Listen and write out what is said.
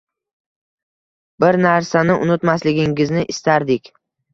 Bir narsani unutmasligingizni istardik